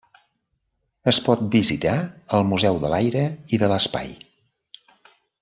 Es pot visitar al Museu de l'Aire i de l'Espai.